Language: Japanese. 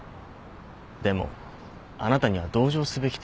でもあなたには同情すべき点がある。